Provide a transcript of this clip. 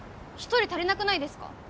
一人足りなくないですか？